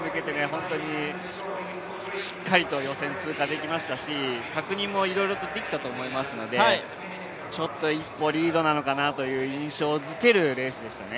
本当にしっかりと予選通過できましたし、確認もいろいろとできたと思いますので、ちょっと一歩リードなのかなという印象づけるレースでしたね。